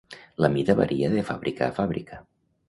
La mida varia de fàbrica a fàbrica.